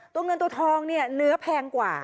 เงินตัวทองเนี่ยเนื้อแพงกว่า